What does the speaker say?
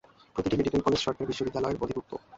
প্রতিটি medical college সরকারি বিশ্ববিদ্যালয়ের অধিভুক্ত।